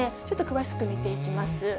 ちょっと詳しく見ていきます。